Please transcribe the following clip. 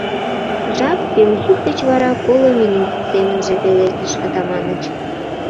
«Жап пелйӱд деч вара коло минут», — семынже пелештыш Атаманыч.